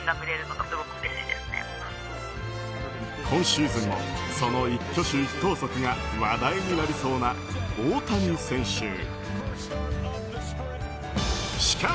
今シーズンもその一挙手一投足が話題になりそうな大谷選手。